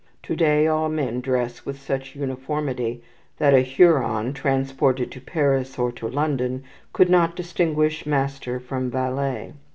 To day all men dress with such uniformity that a Huron, transported to Paris or to London, could not distinguish master from valet.